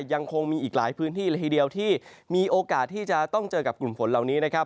ยังคงมีอีกหลายพื้นที่ละทีเดียวที่มีโอกาสที่จะต้องเจอกับกลุ่มฝนเหล่านี้นะครับ